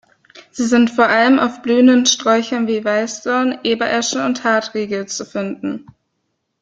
Sie sind vor allem auf blühenden Sträuchern wie Weißdorn, Eberesche und Hartriegel zu finden.